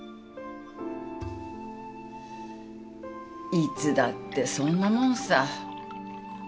いつだってそんなもんさ。